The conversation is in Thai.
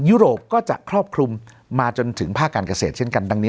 ยุโรปก็จะครอบคลุมมาจนถึงภาคการเกษตรเช่นกันดังนี้